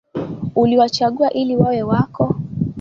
Uliwachagua ili wawe wako